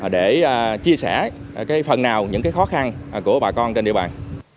để chia sẻ phần nào những khó khăn của bà con trên địa bàn